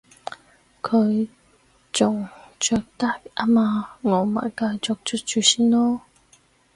佢仲着得吖嘛，我咪繼續着住先囉